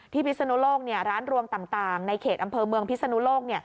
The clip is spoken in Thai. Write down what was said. พิศนุโลกร้านรวงต่างในเขตอำเภอเมืองพิศนุโลก